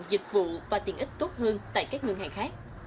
dịch vụ và tiện ích tốt hơn tại các ngân hàng khác